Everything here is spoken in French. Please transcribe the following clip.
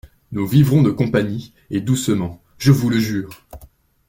Nous vivrons de compagnie, et doucement, je vous le jure.